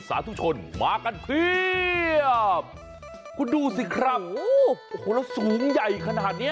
สาธุชนมากันเพียบคุณดูสิครับโอ้โหแล้วสูงใหญ่ขนาดเนี้ย